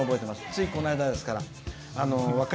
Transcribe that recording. ついこないだですから。